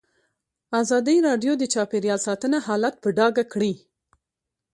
ازادي راډیو د چاپیریال ساتنه حالت په ډاګه کړی.